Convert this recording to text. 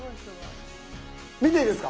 見ていいですか？